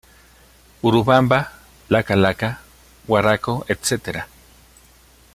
Urubamba, lacca lacca, huaracco, etc.